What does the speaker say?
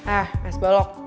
eh s baluk